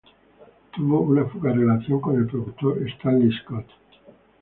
Tuvo una fugaz relación con el productor Stanley Scott.